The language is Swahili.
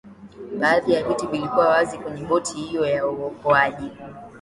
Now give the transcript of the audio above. baadhi ya viti vilikuwa wazi kwenye boti hiyo ya uokoaji